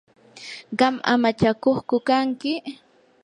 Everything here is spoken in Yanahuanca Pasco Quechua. ¿qam amachakuqku kanki?